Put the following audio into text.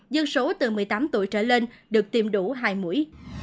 dân số từ một mươi tám tuổi trở lên được tiêm đủ hai mũi